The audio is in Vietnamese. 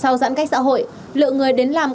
sau giãn cách xã hội lượng người đến làm